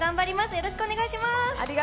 よろしくお願いします。